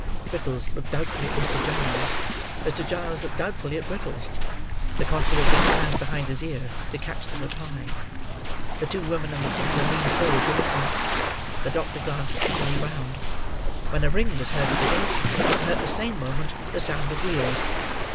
Brittles looked doubtfully at Mr. Giles; Mr. Giles looked doubtfully at Brittles; the constable put his hand behind his ear, to catch the reply; the two women and the tinker leaned forward to listen; the doctor glanced keenly round; when a ring was heard at the gate, and at the same moment, the sound of wheels.